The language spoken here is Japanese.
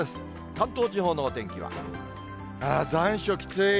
関東地方のお天気は、ああ、残暑きつい。